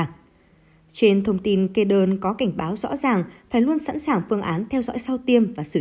trên thông tin kê đơn có cảnh báo rõ ràng phải luôn sẵn sàng phương án theo dõi sau tiêm và xử